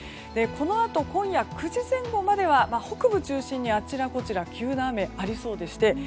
このあと、今夜９時前後までは北部中心にあちらこちら急な雨ありそうでして